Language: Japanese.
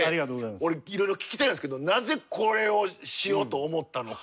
俺いろいろ聞きたいんですけどなぜこれをしようと思ったのか。